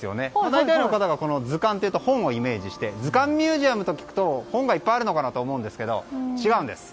大体の方が図鑑っていうと本をイメージしてずかんミュージアムと聞くと本がいっぱいあるのかなと思うんですけど、違うんです。